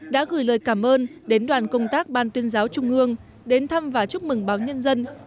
đã gửi lời cảm ơn đến đoàn công tác ban tuyên giáo trung ương đến thăm và chúc mừng báo nhân dân